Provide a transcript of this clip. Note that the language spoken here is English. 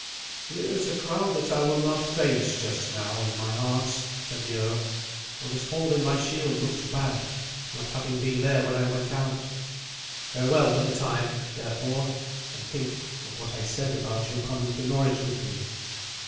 "Here is a crowd that I will not face just now, in my arms," said the earl; "for this hole in my shield looks bad, not having been there when I went out. Farewell for the time, therefore, and think of what I said about your coming to Norwich with me."